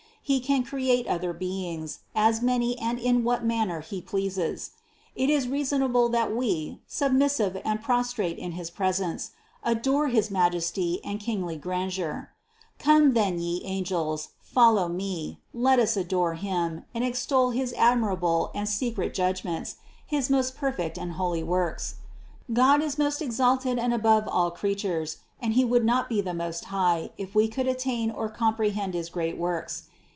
He can create other beings, as many and in what manner He pleases. It is reasonable that we, submissive and prostrate in his presence, adore his Majesty and kingly grandeur. Come then, ye angels, follow me, let us adore Him, and extol his admirable and secret judg ments, his most perfect and holy works. God is most exalted and above all creatures, and He would not be the Most High, if we could attain or comprehend his great works.